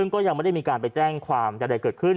ก็ยังไม่ได้มีการไปแจ้งความใดเกิดขึ้น